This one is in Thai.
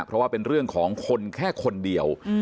เพราะว่าเป็นเรื่องของคนแค่คนเดียว